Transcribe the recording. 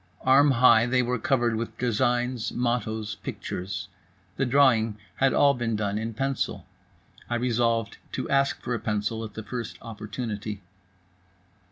Arm high they were covered with designs, mottos, pictures. The drawing had all been done in pencil. I resolved to ask for a pencil at the first opportunity.